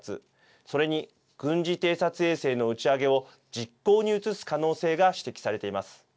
それに軍事偵察衛星の打ち上げを実行に移す可能性が指摘されています。